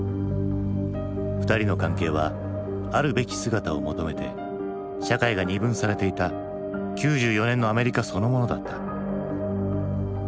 ２人の関係はあるべき姿を求めて社会が二分されていた９４年のアメリカそのものだった。